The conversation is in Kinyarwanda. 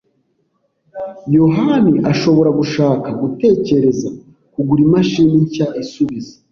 yohani ashobora gushaka gutekereza kugura imashini nshya isubiza.